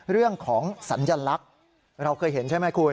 เรื่องของสัญลักษณ์เราเคยเห็นใช่ไหมคุณ